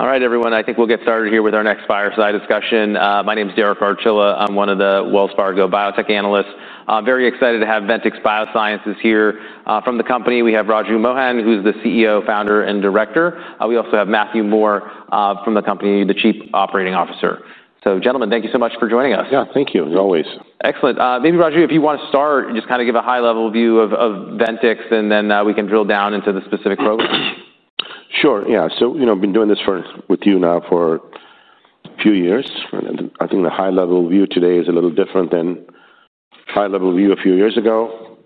All right, everyone, I think we'll get started here with our next fireside discussion. My name is Derek Barcila. I'm one of the Wells Fargo biotech analysts. I'm very excited to have Ventyx Biosciences here. From the company, we have Raju Mohan, who's the CEO, Founder, and Director. We also have Matthew Moore from the company, the Chief Operating Officer. Gentlemen, thank you so much for joining us. Yeah, thank you, as always. Excellent. Maybe, Raju, if you want to start, just kind of give a high-level view of Ventyx, and then we can drill down into the specific program. Sure, yeah. I've been doing this with you now for a few years. I think the high-level view today is a little different than the high-level view a few years ago.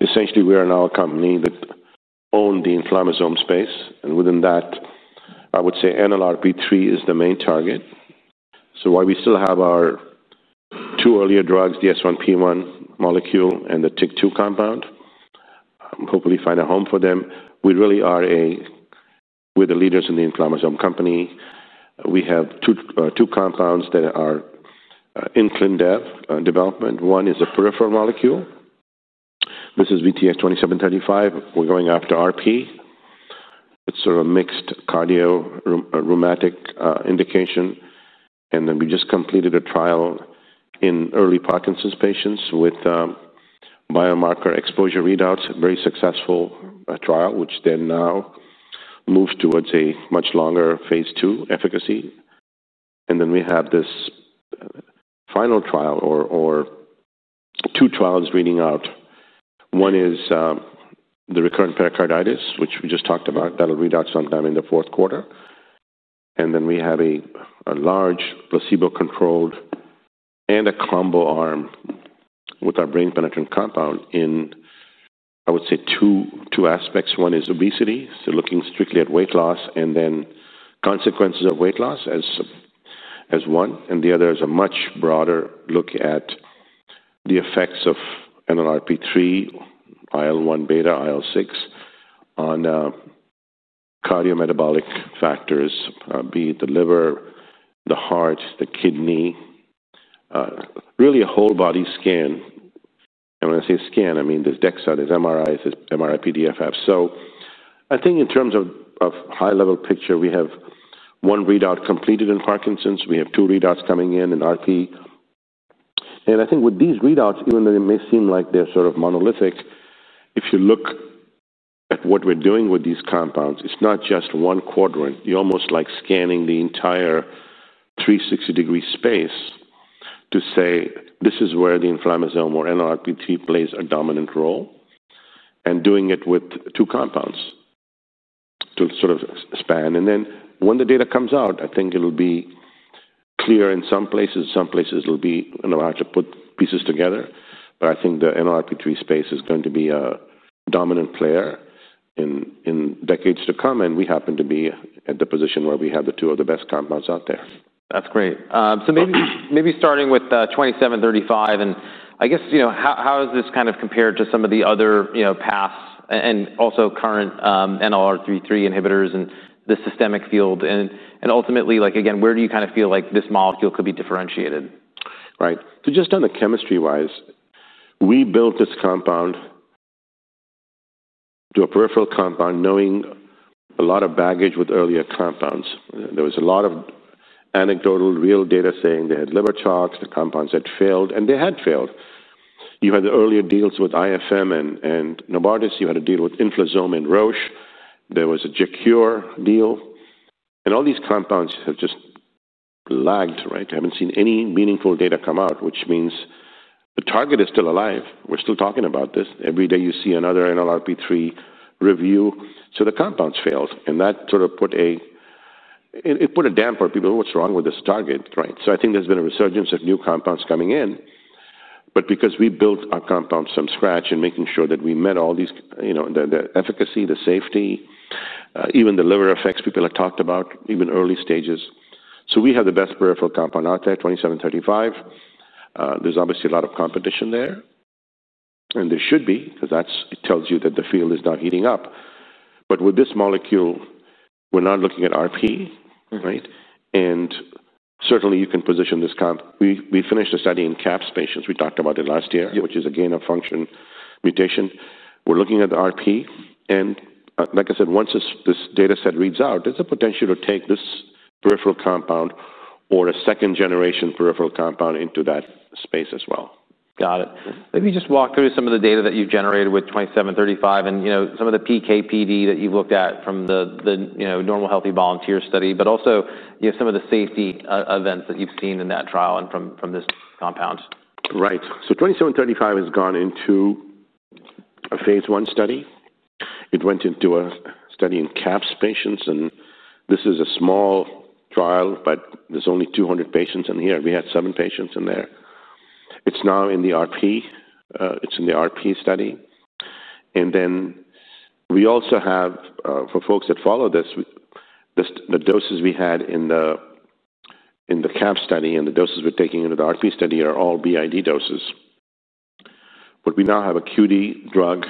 Essentially, we are now a company that owns the inflammasome space, and within that, I would say NLRP3 is the main target. While we still have our two earlier drugs, the S1P1 molecule and the TYK2 compound, hopefully find a home for them, we really are with the leaders in the inflammasome company. We have two compounds that are in clinical development. One is the peripheral molecule. This is VTX2735. We're going after RP. It's sort of a mixed cardiorheumatic indication. We just completed a trial in early Parkinson’s patients with biomarker exposure readouts, a very successful trial, which now moves towards a much longer phase two efficacy. We have this final trial or two trials reading up. One is the recurrent pericarditis, which we just talked about. That'll read out sometime in the fourth quarter. We have a large placebo-controlled and a combo arm with our brain-penetrating compound in, I would say, two aspects. One is obesity, looking strictly at weight loss and then consequences of weight loss as one. The other is a much broader look at the effects of NLRP3, IL-1β, IL-6, on cardiometabolic factors, be it the liver, the heart, the kidney, really a whole body scan. When I say scan, I mean there's DEXA, there's MRI, there's MRI-PDFF. I think in terms of high-level picture, we have one readout completed in Parkinson’s. We have two readouts coming in in RP. I think with these readouts, even though they may seem like they're sort of monolithic, if you look at what we're doing with these compounds, it's not just one quadrant. You're almost like scanning the entire 360-degree space to say, this is where the inflammasome or NLRP3 plays a dominant role, and doing it with two compounds to sort of expand. When the data comes out, I think it'll be clear in some places. In some places, it'll be another to put pieces together. I think the NLRP3 space is going to be a dominant player in decades to come. We happen to be at the position where we have the two of the best compounds out there. That's great. Maybe starting with VTX2735, how is this kind of compared to some of the other paths and also current NLRP3 inhibitors in the systemic field? Ultimately, where do you kind of feel like this molecule could be differentiated? Right. Just on the chemistry-wise, we built this compound to a peripheral compound knowing a lot of baggage with earlier compounds. There was a lot of anecdotal real data saying they had liver chalks, the compounds had failed, and they had failed. You had the earlier deals with IFM and Novartis. You had a deal with Inflammasome and Roche. There was a JAK cure deal. All these compounds have just lagged, right? They haven't seen any meaningful data come out, which means the target is still alive. We're still talking about this. Every day you see another NLRP3 review. The compounds failed. That sort of put a damper on people. What's wrong with this target? I think there's been a resurgence of new compounds coming in. Because we built our compounds from scratch and making sure that we met all these, you know, the efficacy, the safety, even the liver effects people have talked about, even early stages. We have the best peripheral compound out there, VTX2735. There's obviously a lot of competition there. There should be, because that tells you that the field is now heating up. With this molecule, we're not looking at RP, right? Certainly you can position this comp. We finished a study in CAPS patients. We talked about it last year, which is a gain of function mutation. We're looking at the RP. Like I said, once this data set reads out, there's a potential to take this peripheral compound or a second-generation peripheral compound into that space as well. Got it. Maybe just walk through some of the data that you've generated with VTX2735 and, you know, some of the PKPD that you've looked at from the, you know, normal healthy volunteer study, but also, you know, some of the safety events that you've seen in that trial and from this compound. Right. VTX2735 has gone into a phase I study. It went into a study in CAPS patients. This is a small trial, but there's only 200 patients in here. We had seven patients in there. It's now in the RP. It's in the RP study. We also have, for folks that follow this, the doses we had in the CAPS study and the doses we're taking into the RP study are all BID doses. We now have a QD drug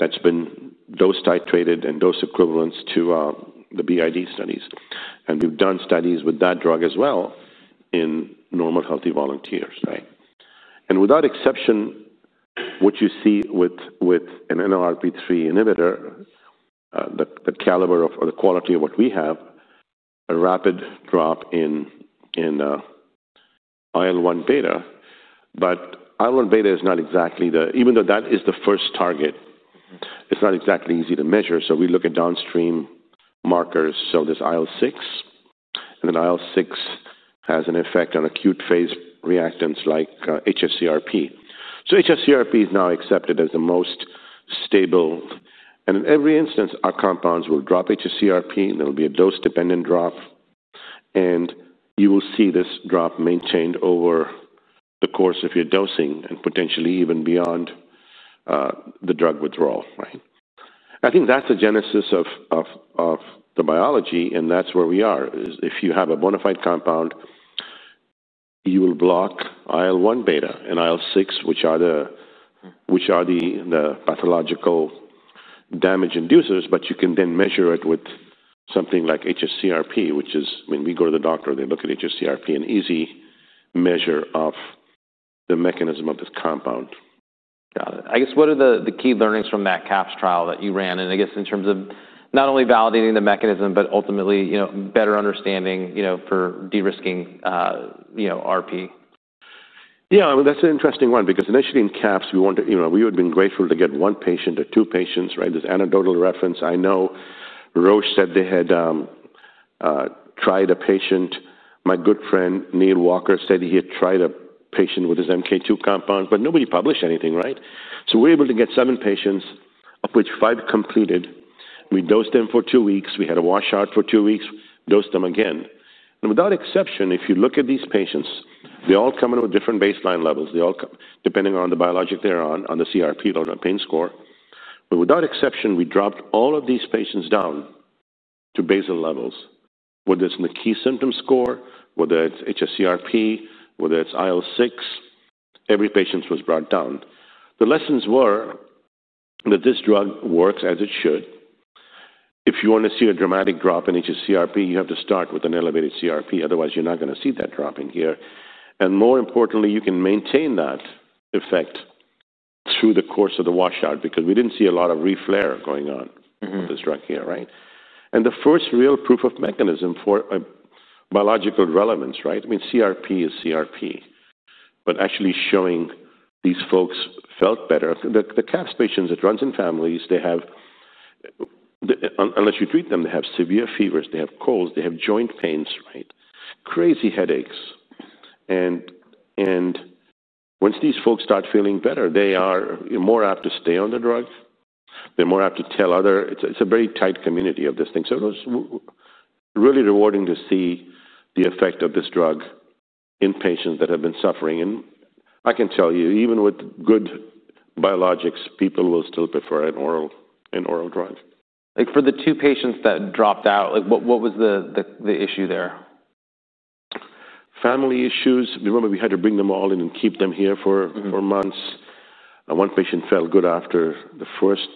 that's been dose titrated and dose equivalents to the BID studies. We've done studies with that drug as well in normal healthy volunteers, right? Without exception, what you see with an NLRP3 inhibitor, the caliber of the quality of what we have, is a rapid drop in IL-1β. IL-1β is not exactly the, even though that is the first target, it's not exactly easy to measure. We look at downstream markers. There's IL-6. IL-6 has an effect on acute phase reactants like hs-CRP. hs-CRP is now accepted as the most stable. In every instance, our compounds will drop hs-CRP. There will be a dose-dependent drop. You will see this drop maintained over the course of your dosing and potentially even beyond the drug withdrawal, right? I think that's the genesis of the biology. That's where we are. If you have a bona fide compound, you will block IL-1β and IL-6, which are the pathological damage inducers. You can then measure it with something like hs-CRP, which is when we go to the doctor, they look at hs-CRP, an easy measure of the mechanism of this compound. Got it. I guess what are the key learnings from that CAPS trial that you ran? I guess in terms of not only validating the mechanism, but ultimately, you know, better understanding, you know, for de-risking, you know, RP. Yeah, I mean, that's an interesting one because initially in CAPS, we want to, you know, we would have been grateful to get one patient or two patients, right? There's anecdotal reference. I know Roche said they had tried a patient. My good friend Neil Walker said he had tried a patient with his MK2 compound, but nobody published anything, right? We were able to get seven patients, of which five completed. We dosed them for two weeks. We had a washout for two weeks, dosed them again. Without exception, if you look at these patients, they all come in with different baseline levels. They all come, depending on the biologic they're on, on the CRP, the autoimmune pain score. Without exception, we dropped all of these patients down to basal levels, whether it's in the key symptom score, whether it's hs-CRP, whether it's IL-6, every patient was brought down. The lessons were that this drug works as it should. If you want to see a dramatic drop in hs-CRP, you have to start with an elevated CRP. Otherwise, you're not going to see that drop in here. More importantly, you can maintain that effect through the course of the washout because we didn't see a lot of re-flare going on with this drug here, right? The first real proof-of-mechanism for biological relevance, right? I mean, CRP is CRP. Actually showing these folks felt better. The CAPS patients, it runs in families. They have, unless you treat them, they have severe fevers, they have colds, they have joint pains, right? Crazy headaches. Once these folks start feeling better, they are more apt to stay on the drug. They're more apt to tell others, it's a very tight community of this thing. It was really rewarding to see the effect of this drug in patients that have been suffering. I can tell you, even with good biologics, people will still prefer an oral drug. For the two patients that dropped out, what was the issue there? Family issues. Remember, we had to bring them all in and keep them here for months. One patient felt good after the first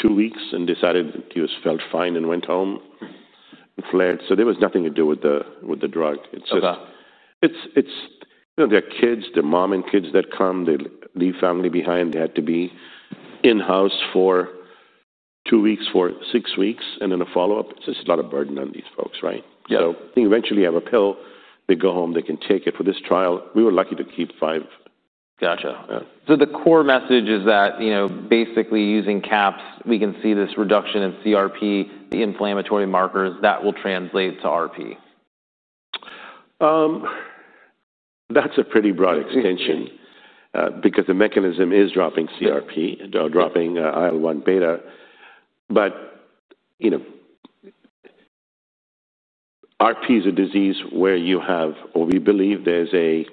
two weeks and decided he felt fine and went home and flared. There was nothing to do with the drug. It's just, you know, they're kids, they're mom and kids that come, they leave family behind. They had to be in-house for two weeks, for six weeks, and then a follow-up. It's just a lot of burden on these folks, right? Yeah. They eventually have a pill, they go home, they can take it. For this trial, we were lucky to keep five. Gotcha. The core message is that, you know, basically using CAPS, we can see this reduction in CRP, the inflammatory markers that will translate to RP. That's a pretty broad extension because the mechanism is dropping CRP, dropping IL-1β. RP is a disease where you have, or we believe there's an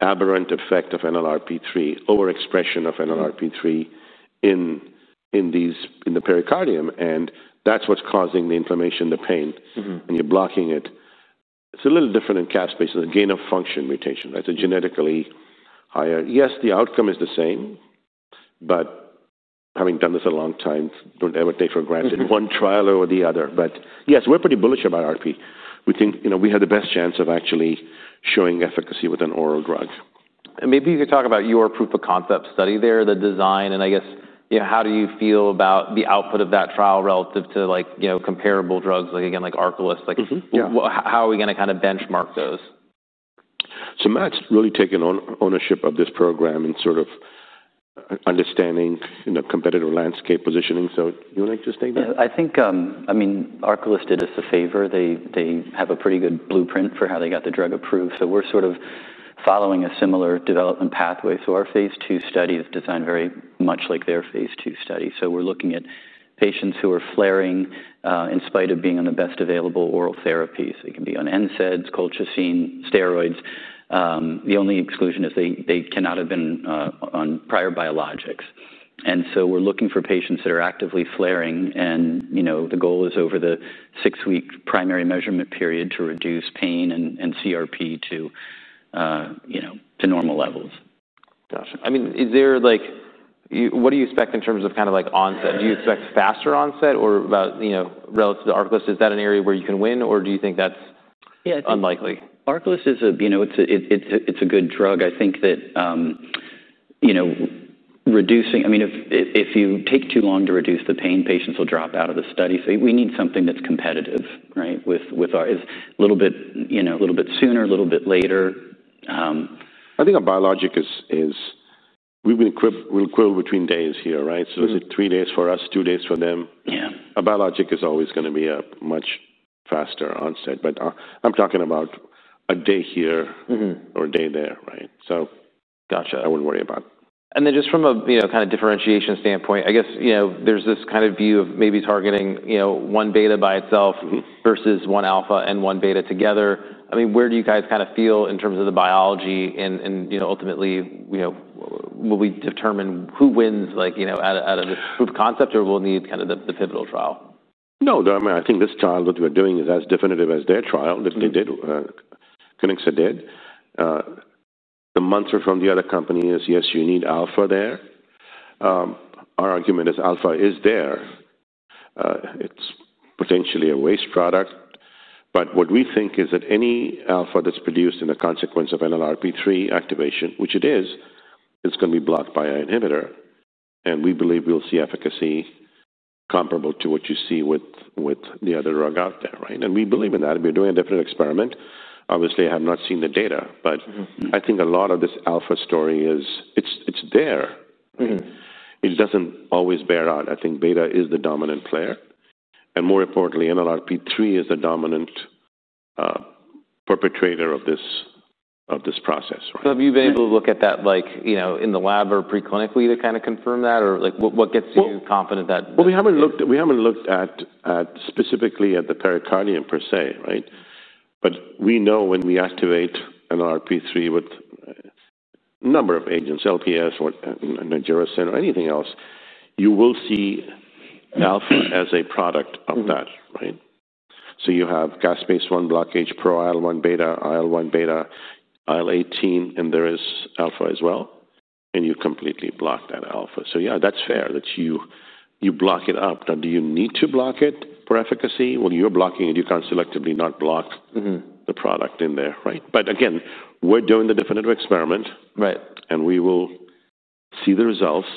aberrant effect of NLRP3, overexpression of NLRP3 in the pericardium. That's what's causing the inflammation, the pain, and you're blocking it. It's a little different in CAPS patients, a gain of function mutation. It's genetically higher. Yes, the outcome is the same. Having done this a long time, don't ever take for granted one trial over the other. Yes, we're pretty bullish about RP. We think we have the best chance of actually showing efficacy with an oral drug. Maybe you could talk about your proof-of-concept study there, the design. I guess, you know, how do you feel about the output of that trial relative to, like, you know, comparable drugs, like again, like ARCALYST. How are we going to kind of benchmark those? Matt's really taken ownership of this program and sort of understanding, you know, competitive landscape positioning. You want to just take that? Yeah, I think, I mean, ARCALYST did us a favor. They have a pretty good blueprint for how they got the drug approved. We're sort of following a similar development pathway. Our phase II study is designed very much like their phase II study. We're looking at patients who are flaring in spite of being on the best available oral therapy. They can be on NSAIDs, colchicine, steroids. The only exclusion is they cannot have been on prior biologics. We're looking for patients that are actively flaring. The goal is over the six-week primary measurement period to reduce pain and CRP to, you know, to normal levels. Gotcha. I mean, is there like, what do you expect in terms of kind of like onset? Do you expect faster onset or about, you know, relative to ARCALYST? Is that an area where you can win or do you think that's unlikely? ARCALYST is a, you know, it's a good drug. I think that, you know, reducing, I mean, if you take too long to reduce the pain, patients will drop out of the study. We need something that's competitive, right? With ours, a little bit, you know, a little bit sooner, a little bit later. I think a biologic is, we've been equivalent between days here, right? Is it three days for us, two days for them? A biologic is always going to be a much faster onset. I'm talking about a day here or a day there, right? I wouldn't worry about it. From a differentiation standpoint, I guess there's this kind of view of maybe targeting, you know, one beta by itself versus one alpha and one beta together. Where do you guys kind of feel in terms of the biology and, you know, ultimately, will we determine who wins out of the proof of concept or will we need kind of the pivotal trial? No, I mean, I think this trial, what we're doing, is as definitive as their trial that they did. The clinics are dead. The months are from the other companies. Yes, you need alpha there. Our argument is alpha is there. It's potentially a waste product. What we think is that any alpha that's produced in the consequence of NLRP3 activation, which it is, it's going to be blocked by an inhibitor. We believe we'll see efficacy comparable to what you see with the other drug out there, right? We believe in that. We're doing a different experiment. Obviously, I have not seen the data, but I think a lot of this alpha story is, it's there. It doesn't always bear out. I think beta is the dominant player. More importantly, NLRP3 is the dominant perpetrator of this process. Have you been able to look at that in the lab or preclinically to kind of confirm that? What gets you confident that? We haven't looked specifically at the pericardium per se, right? We know when we activate NLRP3 with a number of agents, LPS or an agent like Nigericin or anything else, you will see the alpha as a product of that, right? You have gasdermin D blockage, pro IL-1β, IL-1β, IL-18, and there is alpha as well. You completely block that alpha. That's fair that you block it up. Now, do you need to block it for efficacy? You're blocking it. You can't selectively not block the product in there, right? Again, we're doing the definitive experiment, and we will see the results.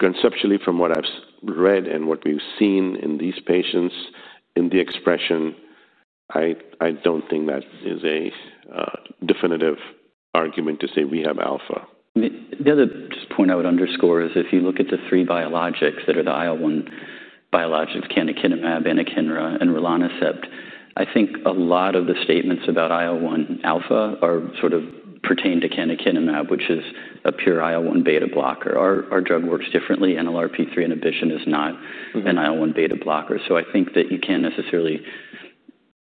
Conceptually, from what I've read and what we've seen in these patients in the expression, I don't think that is a definitive argument to say we have alpha. The other point I would underscore is if you look at the three biologics that are the IL-1 biologics, canakinumab, anakinra, and rilonacept, I think a lot of the statements about IL-1 alpha are sort of pertained to canakinumab, which is a pure IL-1β blocker. Our drug works differently. NLRP3 inhibition is not an IL-1β blocker. I think that you can't necessarily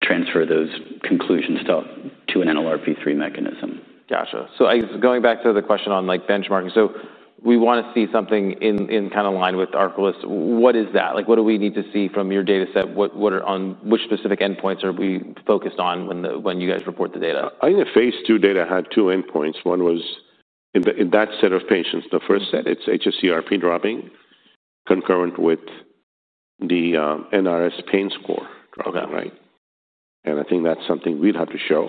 transfer those conclusions to an NLRP3 mechanism. Gotcha. I guess going back to the question on benchmarking, we want to see something in kind of line with ARCALYST. What is that? What do we need to see from your data set? On which specific endpoints are we focused on when you guys report the data? I think the phase two data had two endpoints. One was in that set of patients. The first set, it's hs-CRP dropping concurrent with the NRS pain score program, right? I think that's something we'd have to show.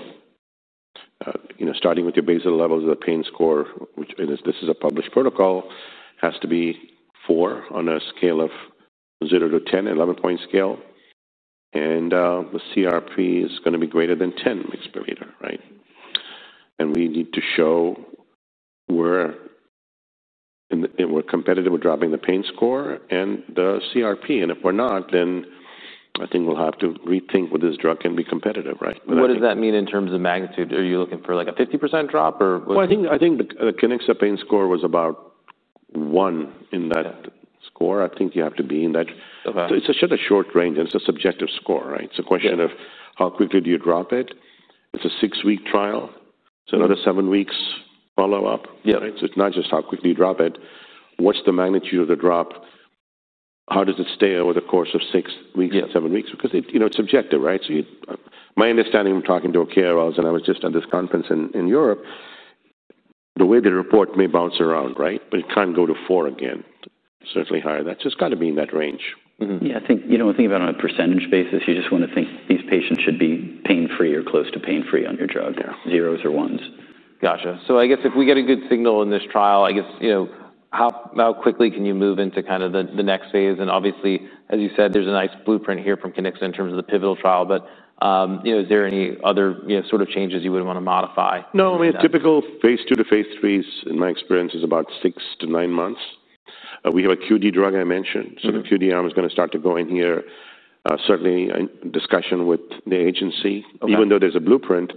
Starting with your basal levels of the pain score, which this is a published protocol, has to be four on a scale of 0 to 10, an 11-point scale. The CRP is going to be greater than 10 mg/L, right? We need to show we're competitive with dropping the pain score and the CRP. If we're not, then I think we'll have to rethink what this drug can be competitive, right? What does that mean in terms of magnitude? Are you looking for like a 50% drop or? I think the Kiniksa pain score was about one in that score. I think you have to be in that. It's a short range and it's a subjective score, right? It's a question of how quickly do you drop it? It's a six-week trial, another seven weeks follow-up, right? It's not just how quickly you drop it. What's the magnitude of the drop? How does it stay over the course of six weeks and seven weeks? Because it's subjective, right? My understanding from talking to KOLs and I was just at this conference in Europe, the way the report may bounce around, right? It can't go to four again, certainly higher. That's just got to be in that range. I think about it on a percentage basis. You just want to think these patients should be pain-free or close to pain-free on your drug, zeros or ones. Gotcha. If we get a good signal in this trial, how quickly can you move into kind of the next phase? Obviously, as you said, there's a nice blueprint here from Kiniksa in terms of the pivotal trial. Is there any other sort of changes you would want to modify? No, I mean, a typical phase II to phase III in my experience is about six to nine months. We have a QD drug I mentioned. The QD arm is going to start to go in here. Certainly, discussion with the agency, even though there's a blueprint,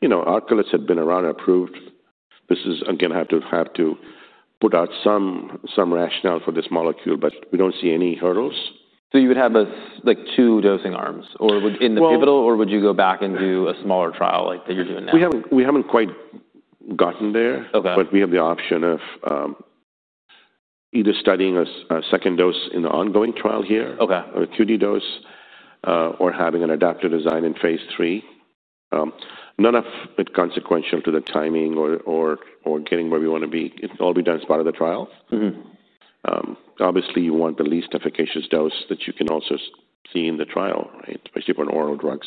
you know, ARCALYST had been around and approved. This is again, I have to put out some rationale for this molecule, but we don't see any hurdles. Would you have like two dosing arms in the pivotal, or would you go back and do a smaller trial like that you're doing now? We haven't quite gotten there, but we have the option of either studying a second dose in the ongoing trial here or a 2D dose or having an adaptive design in phase III. None of it is consequential to the timing or getting where we want to be. It will all be done as part of the trial. Obviously, you want the least efficacious dose that you can also see in the trial, right? Especially for an oral drug.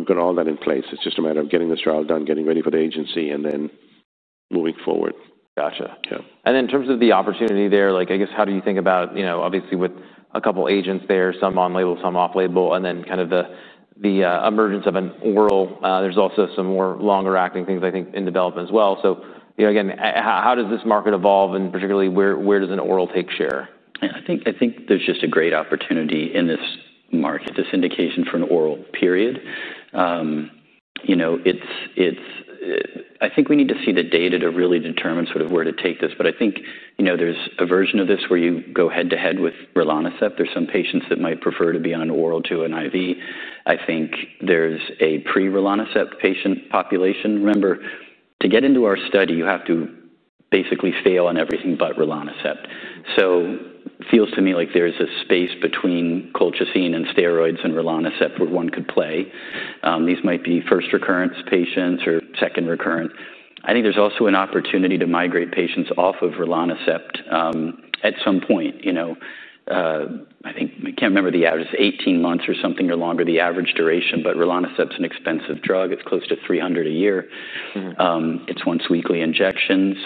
We have all that in place. It's just a matter of getting this trial done, getting ready for the agency, and then moving forward. Gotcha. Yeah. In terms of the opportunity there, how do you think about, you know, obviously with a couple of agents there, some on-label, some off-label, and then kind of the emergence of an oral, there's also some more longer-acting things I think in development as well. You know, again, how does this market evolve and particularly where does an oral take share? I think there's just a great opportunity in this market, this indication for an oral period. I think we need to see the data to really determine sort of where to take this. I think there's a version of this where you go head-to-head with rilonacept. There are some patients that might prefer to be on an oral to an IV. I think there's a pre-rilonacept patient population. Remember, to get into our study, you have to basically fail on everything but rilonacept. It feels to me like there's a space between colchicine and steroids and rilonacept where one could play. These might be first recurrence patients or second recurrence. I think there's also an opportunity to migrate patients off of rilonacept at some point. I can't remember if the average is 18 months or something or longer, the average duration, but rilonacept is an expensive drug. It's close to $300,000 a year. It's once weekly injections.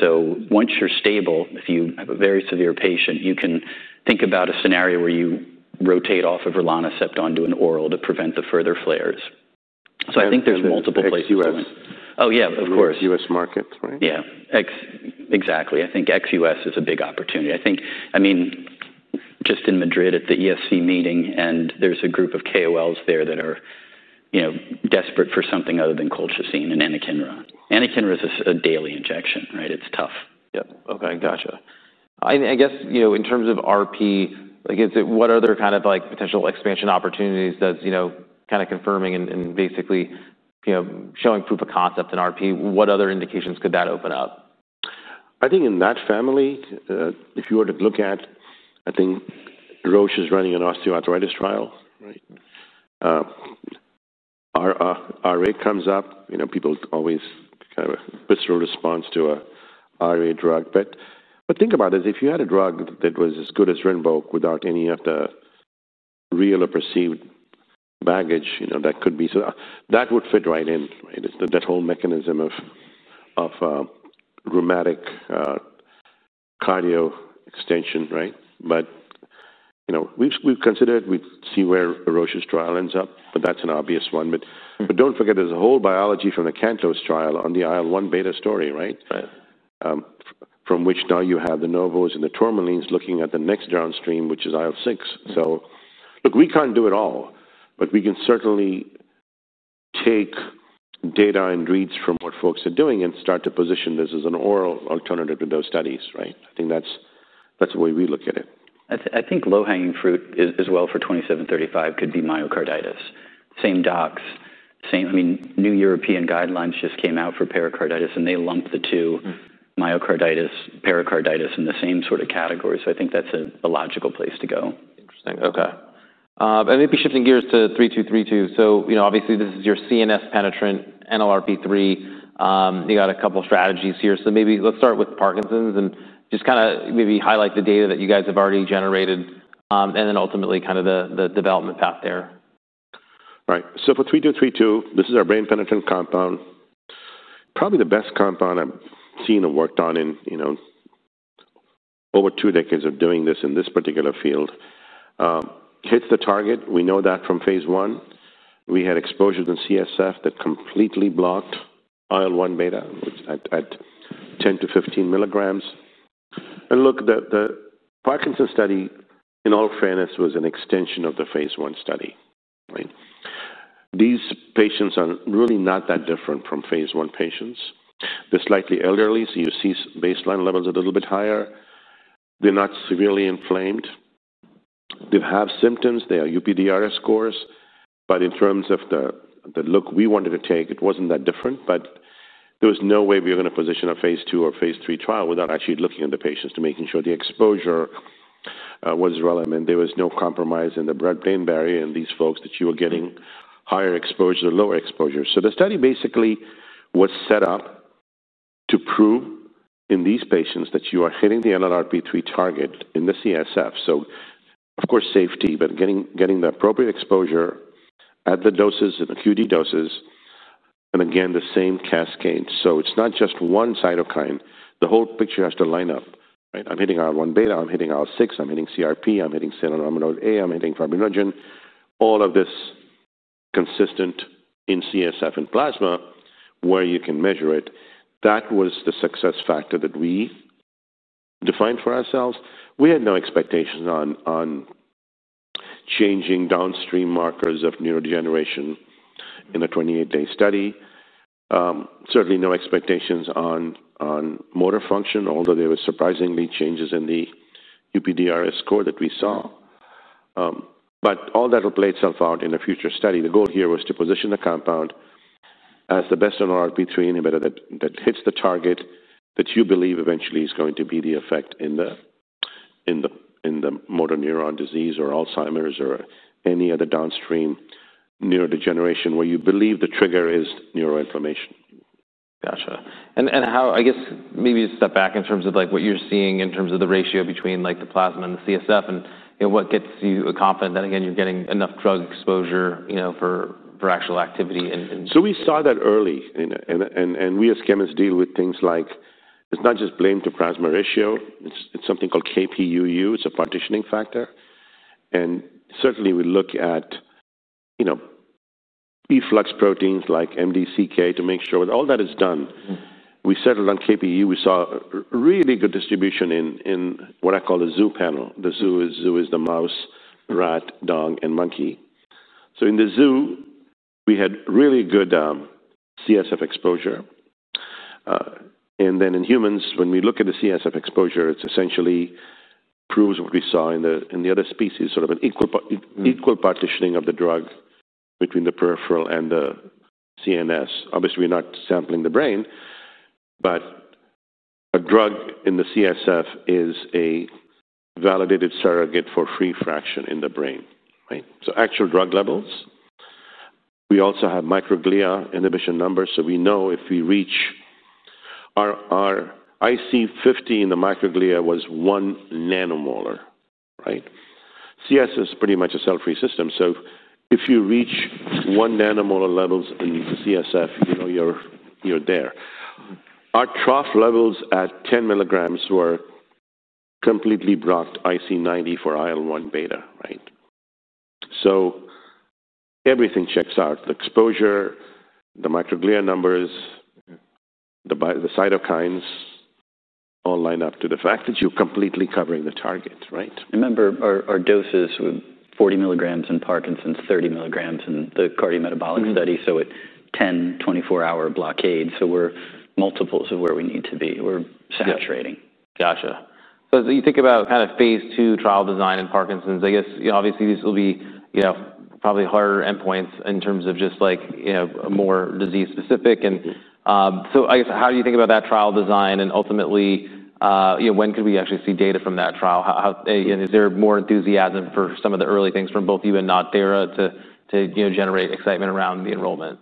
Once you're stable, if you have a very severe patient, you can think about a scenario where you rotate off of rilonacept onto an oral to prevent the further flares. I think there's multiple places. Ex-U.S.? Oh yeah, of course. Ex-U.S. markets, right? Yeah, exactly. I think Ex-U.S. is a big opportunity. I mean, just in Madrid at the ESC meeting, there's a group of KOLs there that are desperate for something other than colchicine and anakinra. Anakinra is a daily injection, right? It's tough. Yeah, okay, gotcha. I guess, in terms of RP, what other kind of potential expansion opportunities does confirming and basically showing proof of concept in RP, what other indications could that open up? I think in that family, if you were to look at, I think Roche is running an osteoarthritis trial, right? RA comes up, you know, people always kind of a visceral response to an RA drug. What I think about it is if you had a drug that was as good as Rinvoq without any of the real or perceived baggage, you know, that could be, so that would fit right in, right? That whole mechanism of rheumatic cardio extension, right? We've considered, we've seen where Roche's trial ends up, but that's an obvious one. Don't forget, there's a whole biology from the CANTOS trial on the IL-1β story, right? From which now you have the NOVOS and the Tourmalines looking at the next downstream, which is IL-6. Look, we can't do it all, but we can certainly take data and reads from what folks are doing and start to position this as an oral alternative to those studies, right? I think that's the way we look at it. I think low-hanging fruit as well for VTX2735 could be myocarditis. Same docs, same, I mean, new European guidelines just came out for pericarditis, and they lumped the two, myocarditis and pericarditis, in the same sort of category. I think that's a logical place to go. Interesting, okay. Maybe shifting gears to VTX3232. Obviously, this is your CNS-penetrant NLRP3. You got a couple of strategies here. Maybe let's start with Parkinson’s and just kind of highlight the data that you guys have already generated and then ultimately kind of the development path there. Right. For VTX3232, this is our brain-penetrant compound. Probably the best compound I've seen and worked on in, you know, over two decades of doing this in this particular field. Hits the target. We know that from phase I. We had exposures in CSF that completely blocked IL-1β at 10 mg-15 mg. The Parkinson’s study, in all fairness, was an extension of the phase I study. These patients are really not that different from phase one patients. They're slightly elderly, so you see baseline levels a little bit higher. They're not severely inflamed. They have symptoms. They are UPDRS scores. In terms of the look we wanted to take, it wasn't that different. There was no way we were going to position a phase II or phase III trial without actually looking at the patients to make sure the exposure was relevant. There was no compromise in the blood-brain barrier in these folks that you were getting higher exposure or lower exposure. The study basically was set up to prove in these patients that you are hitting the NLRP3 target in the CSF. Of course, safety, but getting the appropriate exposure at the doses and the QD doses, and again, the same cascade. It's not just one cytokine. The whole picture has to line up. I'm hitting IL-1β. I'm hitting IL-6. I'm hitting CRP. I'm hitting Cinnamomatoid A. I'm hitting fibrinogen. All of this consistent in CSF and plasma where you can measure it. That was the success factor that we defined for ourselves. We had no expectations on changing downstream markers of neurodegeneration in a 28-day study. Certainly no expectations on motor function, although there were surprisingly changes in the UPDRS score that we saw. All that will play itself out in a future study. The goal here was to position the compound as the best NLRP3 inhibitor that hits the target that you believe eventually is going to be the effect in the motor neuron disease or Alzheimer's or any other downstream neurodegeneration where you believe the trigger is neuroinflammation. Gotcha. I guess maybe a step back in terms of what you're seeing in terms of the ratio between the plasma and the CSF, and what gets you confidence that again, you're getting enough drug exposure for actual activity. We saw that early. We as chemists deal with things like it's not just brain to plasma ratio. It's something called KPUU. It's a partitioning factor. Certainly, we look at, you know, efflux proteins like MDCK to make sure that all that is done. We settled on KPUU. We saw a really good distribution in what I call the zoo panel. The zoo is the mouse, rat, dog, and monkey. In the zoo, we had really good CSF exposure. In humans, when we look at the CSF exposure, it essentially proves what we saw in the other species, sort of an equal partitioning of the drug between the peripheral and the CNS. Obviously, we're not sampling the brain, but a drug in the CSF is a validated surrogate for free fraction in the brain, so actual drug levels. We also have microglia inhibition numbers. We know if we reach our IC50 in the microglia was 1 nm, right? CSF is pretty much a cell-free system, so if you reach 1 nm levels in the CSF, you know you're there. Our trough levels at 10 mg were completely blocked IC90 for IL-1β, right? Everything checks out. The exposure, the microglia numbers, the cytokines all line up to the fact that you're completely covering the target, right? Remember, our doses were 40 mg in Parkinson’s, 30 mg in the cardiometabolic study. It’s 10, 24-hour blockade. We’re multiples of where we need to be. We’re saturating. Gotcha. You think about kind of phase II trial design in Parkinson’s. I guess, obviously, these will be probably harder endpoints in terms of just more disease-specific. I guess, how do you think about that trial design? Ultimately, when could we actually see data from that trial? Is there more enthusiasm for some of the early things from both you and Nothera to generate excitement around the enrollment?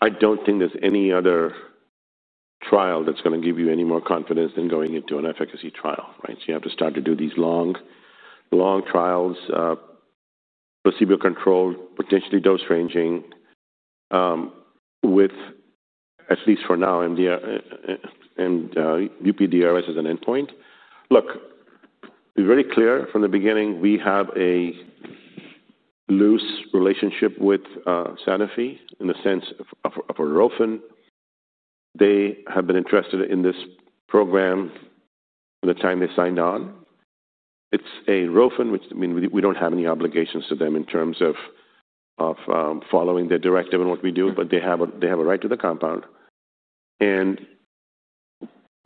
I don't think there's any other trial that's going to give you any more confidence than going into an efficacy trial, right? You have to start to do these long trials, placebo-controlled, potentially dose-ranging with, at least for now, MDR and UPDRS as an endpoint. Look, to be very clear, from the beginning, we have a loose relationship with Sanofi in the sense of a ROFIN. They have been interested in this program from the time they signed on. It's a ROFIN, which I mean, we don't have any obligations to them in terms of following their directive on what we do, but they have a right to the compound.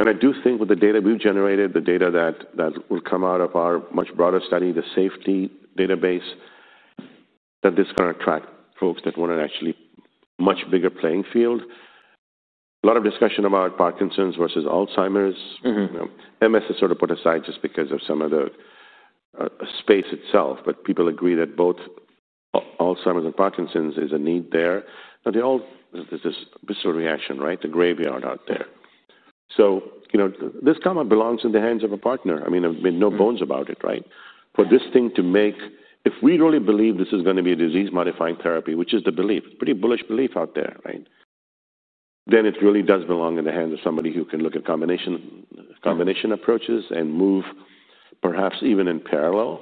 I do think with the data we've generated, the data that will come out of our much broader study, the safety database, that this is going to attract folks that want an actually much bigger playing field. There is a lot of discussion about Parkinson’s versus Alzheimer’s. MS is sort of put aside just because of some of the space itself, but people agree that both Alzheimer’s and Parkinson’s is a need there. There’s this reaction, right? The graveyard out there. This comment belongs in the hands of a partner. There have been no bones about it, right? For this thing to make, if we really believe this is going to be a disease-modifying therapy, which is the belief, pretty bullish belief out there, right? It really does belong in the hands of somebody who can look at combination approaches and move perhaps even in parallel.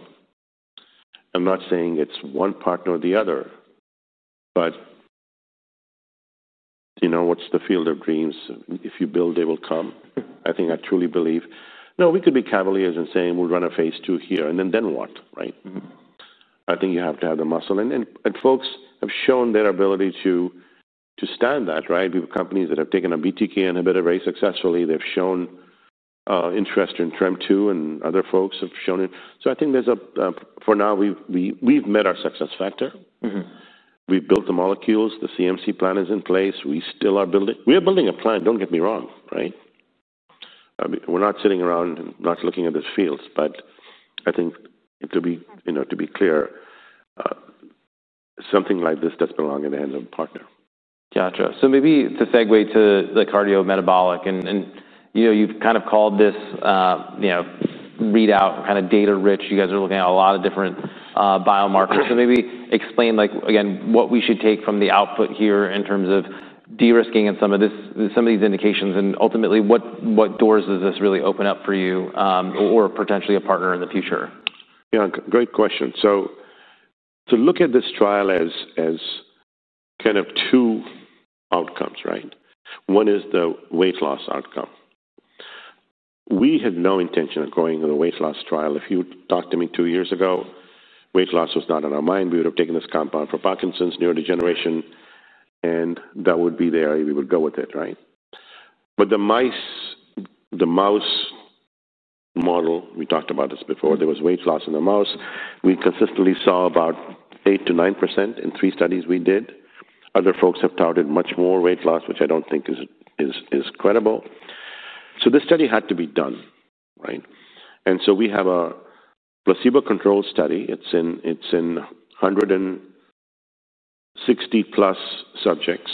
I'm not saying it's one partner or the other, but you know, what's the field of dreams? If you build it, they will come. I think I truly believe. We could be cavaliers and say we'll run a phase II here, and then what, right? I think you have to have the muscle, and folks have shown their ability to stand that, right? We have companies that have taken a BTK inhibitor very successfully. They've shown interest in TREM2 and other folks have shown it. I think for now, we've met our success factor. We've built the molecules. The CMC plan is in place. We still are building, we're building a plan, don't get me wrong, right? We're not sitting around and not looking at those fields, but I think it could be, to be clear, something like this does belong in the hands of a partner. Gotcha. Maybe to segue to the cardiometabolic, you've kind of called this readout data-rich. You guys are looking at a lot of different biomarkers. Maybe explain what we should take from the output here in terms of de-risking and some of these indications, and ultimately what doors this really opens up for you or potentially a partner in the future? Yeah, great question. To look at this trial as kind of two outcomes, right? One is the weight loss outcome. We had no intention of going on a weight loss trial. If you talked to me two years ago, weight loss was not on our mind. We would have taken this compound for Parkinson’s neurodegeneration, and that would be there. We would go with it, right? The mouse model, we talked about this before, there was weight loss in the mouse. We consistently saw about 8%-9% in three studies we did. Other folks have touted much more weight loss, which I don’t think is credible. This study had to be done, right? We have a placebo-controlled study. It’s in 160+ subjects,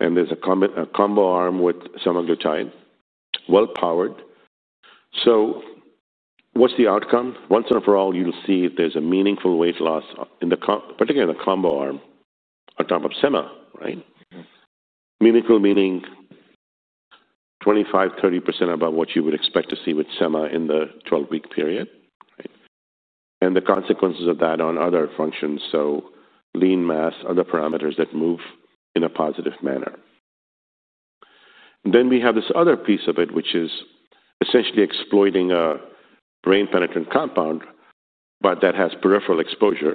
and there’s a combo arm with semaglutide, well-powered. What’s the outcome? Once and for all, you’ll see if there’s a meaningful weight loss, particularly in the combo arm on top of sema, right? Meaningful meaning 25%, 30% above what you would expect to see with sema in the 12-week period, right? The consequences of that on other functions, so lean mass, other parameters that move in a positive manner. We have this other piece of it, which is essentially exploiting a brain-penetrant compound, but that has peripheral exposure,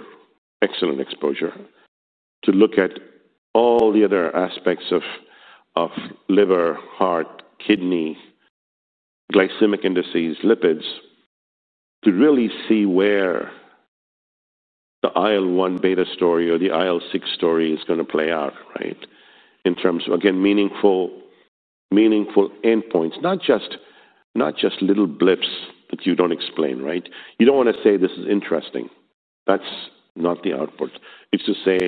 excellent exposure, to look at all the other aspects of liver, heart, kidney, glycemic indices, lipids, to really see where the IL-1β story or the IL-6 story is going to play out, right? In terms of, again, meaningful endpoints, not just little blips that you don’t explain, right? You don’t want to say this is interesting. That’s not the output. It’s to say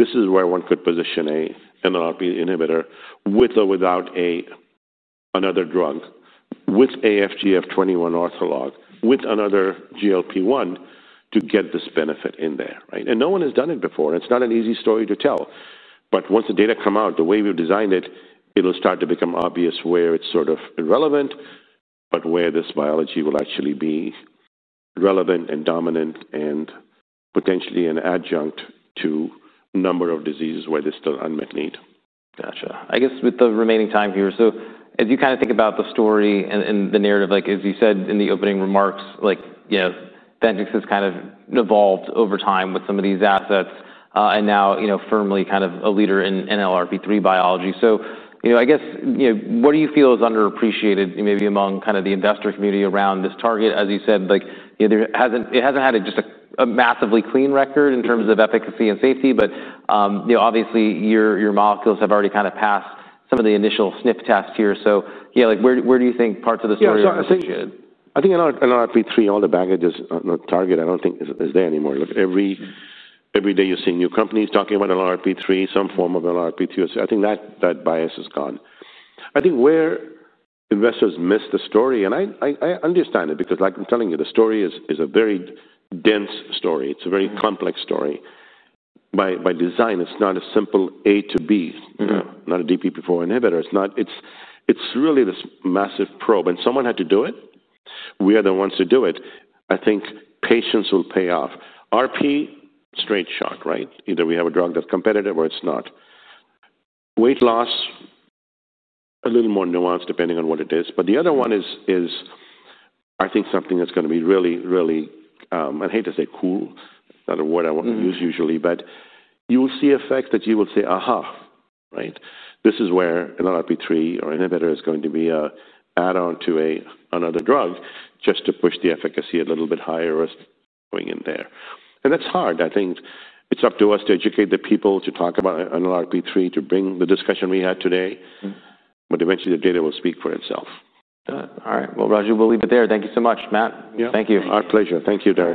this is where one could position an NLRP3 inhibitor with or without another drug, with an FGF-21 ortholog, with another GLP-1 to get this benefit in there, right? No one has done it before. It’s not an easy story to tell. Once the data come out, the way we’ve designed it, it’ll start to become obvious where it’s sort of irrelevant, but where this biology will actually be relevant and dominant and potentially an adjunct to a number of diseases where there’s still unmet need. Gotcha. I guess with the remaining time here, as you kind of think about the story and the narrative, like as you said in the opening remarks, you know that Ventyx has kind of evolved over time with some of these assets and now, you know, firmly kind of a leader in NLRP3 biology. What do you feel is underappreciated maybe among kind of the investor community around this target? As you said, it hasn't had just a massively clean record in terms of efficacy and safety, but obviously your molecules have already kind of passed some of the initial sniff tests here. Where do you think parts of the story should? Yeah, so I think NLRP3, all the baggage is on the target. I don't think it's there anymore. Look, every day you see new companies talking about NLRP3, some form of NLRP3. I think that bias is gone. I think where investors miss the story, and I understand it because like I'm telling you, the story is a very dense story. It's a very complex story. By design, it's not a simple A to B, not a DPP-4 inhibitor. It's not, it's really this massive probe, and someone had to do it. We are the ones to do it. I think patience will pay off. RP, straight shock, right? Either we have a drug that's competitive or it's not. Weight loss, a little more nuanced depending on what it is. The other one is, I think, something that's going to be really, really, I hate to say cool, not a word I want to use usually, but you will see effects that you will say, aha, right? This is where NLRP3 or inhibitor is going to be an add-on to another drug just to push the efficacy a little bit higher as going in there. That's hard. I think it's up to us to educate the people, to talk about NLRP3, to bring the discussion we had today. Eventually, the data will speak for itself. All right. Raju, we'll leave it there. Thank you so much, Matt. Yeah, our pleasure. Thank you, Derek.